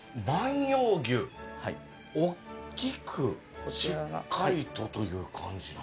大きくしっかりとという感じ。